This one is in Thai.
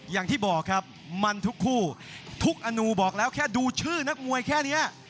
อย่างที่บอกครับมันทุกคู่ทุกอนูบอกแล้วแค่ดูชื่อนักมวยแค่นี้